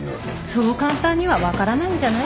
そう簡単には分からないんじゃない？